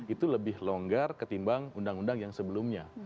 itu lebih longgar ketimbang undang undang yang sebelumnya